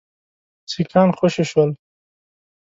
سیکهان خوشي شول.